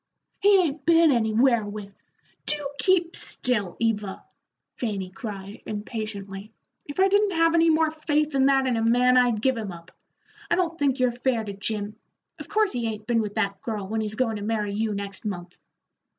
"He ain't been anywhere with " "Do keep still, Eva!" Fanny cried, impatiently. "If I didn't have any more faith than that in a man, I'd give him up. I don't think you're fair to Jim. Of course he ain't been with that girl, when he's goin' to marry you next month."